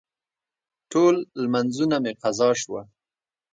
ټول لمونځونه مې قضا شوه.